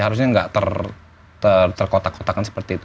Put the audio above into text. harusnya nggak terkotak kotakan seperti itu